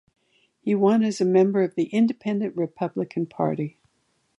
He won as a member of the Independent-Republican Party.